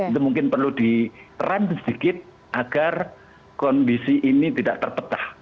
itu mungkin perlu direm sedikit agar kondisi ini tidak terpecah